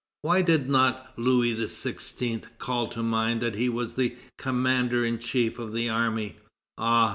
Why did not Louis XVI. call to mind that he was the commander in chief of the army? Ah!